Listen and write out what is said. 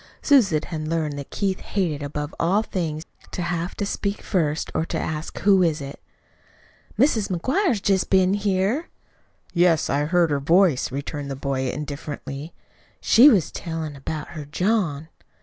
Susan had learned that Keith hated above all things to have to speak first, or to ask, "Who is it?" "Mis' McGuire's jest been here." "Yes, I heard her voice," returned the boy indifferently. "She was tellin' about her John."